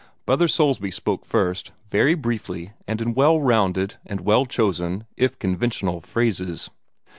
Brother Soulsby spoke first, very briefly and in well rounded and well chosen, if conventional, phrases.